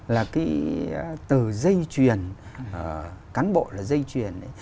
là cái từ dây chuyền cán bộ là dây chuyền ấy